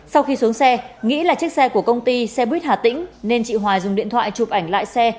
sau khi xuống xe nghĩ là chiếc xe của công ty xe buýt hà tĩnh nên chị hoài dùng điện thoại chụp ảnh lại xe